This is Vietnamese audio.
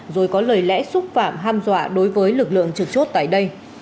rồi có lời lẽ xúc phạm ham dọa đối với lực lượng trực chốt tại đây